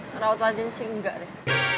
ngerawat wajahnya sih engga deh